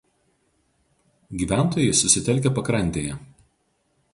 Gyventojai susitelkę pakrantėje.